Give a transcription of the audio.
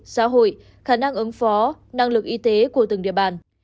xã hội khả năng ứng phó năng lực y tế của từng địa bàn